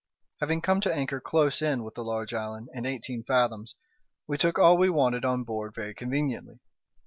Having come to anchor close in with the large island, in eighteen fathoms, we took all we wanted on board very conveniently.